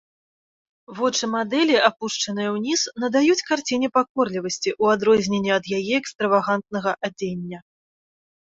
Вочы мадэлі, апушчаныя ўніз, надаюць карціне пакорлівасці, у адрозненне ад яе экстравагантнага адзення.